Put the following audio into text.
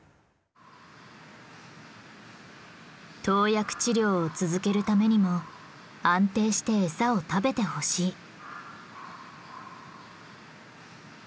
投薬治療を続けるためにも安定して餌を食べてほしい。